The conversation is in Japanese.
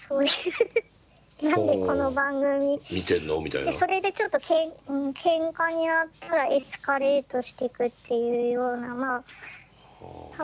でそれでちょっとけんかになったらエスカレートしてくっていうようなまあ多分。